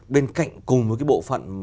bên cạnh cùng với bộ phận